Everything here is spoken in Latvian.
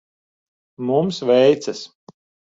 Mums veicas.